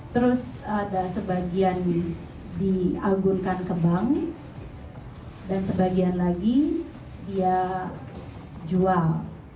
terus ada sebagian diagunkan ke bank dan sebagian lagi dia jual